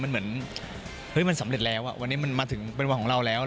มันเหมือนเฮ้ยมันสำเร็จแล้ววันนี้มันมาถึงเป็นวันของเราแล้ว